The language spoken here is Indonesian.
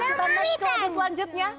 kita masuk ke labu selanjutnya